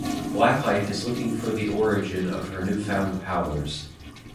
Blacklight is looking for the origin of her newfound powers.